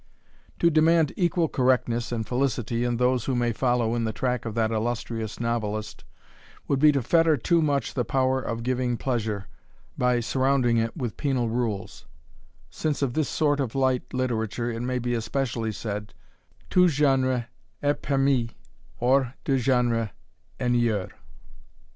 To demand equal correctness and felicity in those who may follow in the track of that illustrious novelist, would be to fetter too much the power of giving pleasure, by surrounding it with penal rules; since of this sort of light literature it may be especially said tout genre est permis, hors le genre ennuyeux.